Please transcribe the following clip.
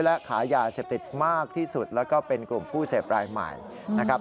และขายยาเสพติดมากที่สุดแล้วก็เป็นกลุ่มผู้เสพรายใหม่นะครับ